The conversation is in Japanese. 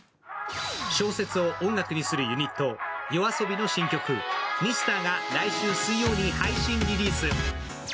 小説を音楽にするユニット、ＹＯＡＳＯＢＩの新曲、「ミスター」が来週水曜日に配信リリース。